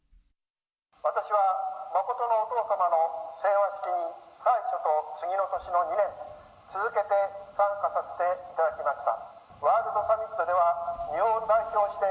私は真のお父様のせいわ式に最初と次の年の２年続けて参加させていただきました。